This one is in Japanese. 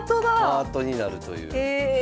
ハートになるという。